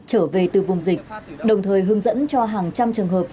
trở về từ vùng dịch đồng thời hướng dẫn cho hàng trăm trường hợp